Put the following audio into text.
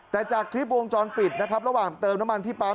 แต่จากคลิปวงจรปิดนะครับระหว่างเติมน้ำมันที่ปั๊ม